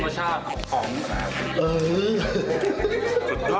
น่าชอบอย่างเงี้ยมันหวานแต่เยี่ยม